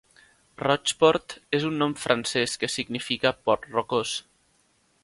Rocheport és un nom francès que significa "port rocós".